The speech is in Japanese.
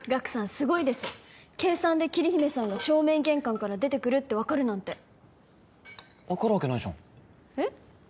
すごいです計算で桐姫さんが正面玄関から出てくるって分かるなんて分かるわけないじゃんえっ！？